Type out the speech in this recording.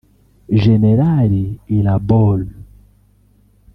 Jenerali Irabor